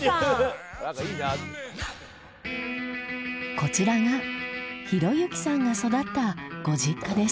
こちらが浩之さんが育ったご実家です。